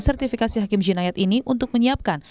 sertifikasi hakim jinayat ini untuk menyiapkan